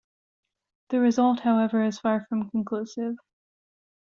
The result, however, is far from conclusive.